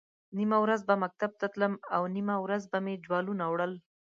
نیمه ورځ به مکتب ته تلم او نیمه ورځ به مې جوالونه وړل.